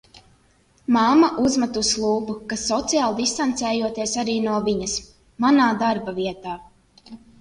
Mamma uzmetusi lūpu, ka sociāli distancējoties arī no viņas. Manā darbavietā.